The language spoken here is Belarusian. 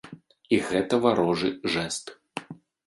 І гэта варожы жэст.